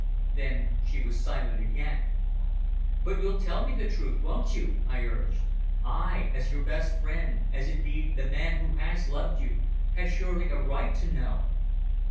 Then she was silent again. "But you'll tell me the truth, won't you?" I urged. "I, as your best friend, as indeed the man who has loved you, have surely a right to know!"